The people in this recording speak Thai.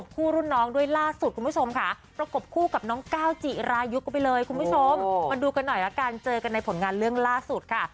คุณผู้ชมมาดูกันหน่อยแล้วกันเจอกันในผลงานเรื่องล่าสุดค่ะ